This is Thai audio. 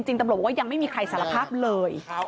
ตำรวจบอกว่ายังไม่มีใครสารภาพเลย